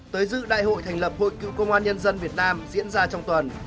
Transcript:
tới dự đại hội thành lập hội cựu công an nhân dân việt nam diễn ra trong tuần